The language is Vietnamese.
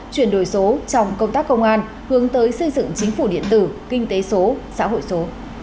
chuyển đổi số trong công tác công an hướng tới xây dựng chính phủ điện tử kinh tế số xã hội số